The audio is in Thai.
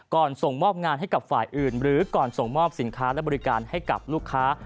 ส่งมอบงานให้กับฝ่ายอื่นหรือก่อนส่งมอบสินค้าและบริการให้กับลูกค้า